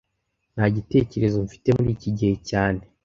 Nta gitekerezo mfite muri iki gihe cyane